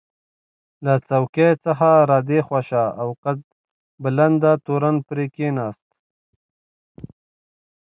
له څوکۍ څخه را دې خوا شو او قد بلنده تورن پرې کېناست.